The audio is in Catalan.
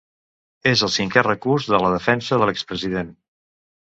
És el cinquè recurs de la defensa de l’ex-president.